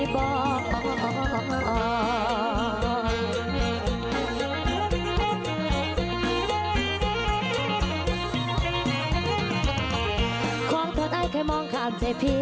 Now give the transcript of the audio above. โบสถ์สายป้า